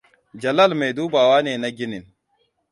Jalal mai dubawa ne na ginin.